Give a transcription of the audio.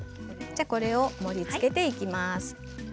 これを盛りつけていきます。